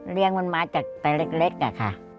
เลี้ยงมันมาจากแต่เล็กค่ะ